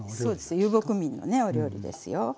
遊牧民のねお料理ですよ。